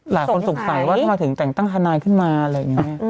หลายคนสงสัยว่าทำไมถึงแต่งตั้งทนายขึ้นมาอะไรอย่างนี้